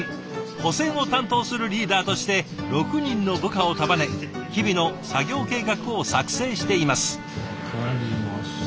保線を担当するリーダーとして６人の部下を束ね日々の作業計画を作成しています。